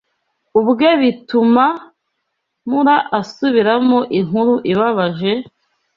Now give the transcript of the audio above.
ubwe bituma Mura asubiramo inkuru ibabaje,